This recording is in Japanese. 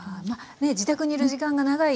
自宅にいる時間が長い